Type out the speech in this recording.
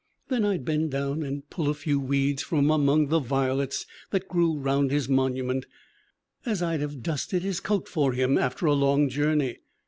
Then I'd bend down and pull a few weeds from among the violets that grew round his monument, as I'd have dusted his coat for him after a long journey.